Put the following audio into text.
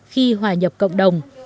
khi hòa nhập cộng đồng